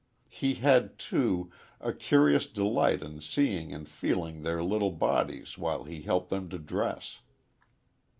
He had, too, a curious delight in seeing and feeling their little bodies while he helped them to dress.